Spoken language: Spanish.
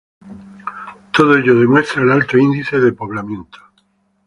Todo ello demuestra el alto índice de poblamiento.